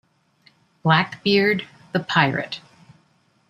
"Blackbeard the Pirate".